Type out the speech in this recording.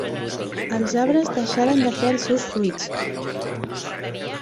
Els arbres deixaren de fer els seus fruits.